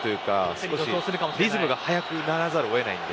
少しリズムが速くならざるを得ないので。